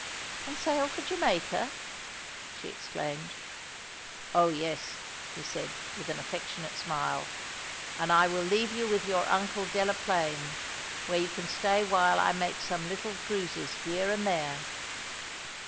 "And sail for Jamaica?" she exclaimed. "Oh, yes," he said, with an affectionate smile, "and I will leave you with your Uncle Delaplaine, where you can stay while I make some little cruises here and there."